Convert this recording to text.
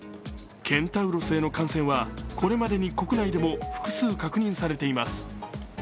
ケンタウロスへの感染はこれまでに国内でも複数、確認されています。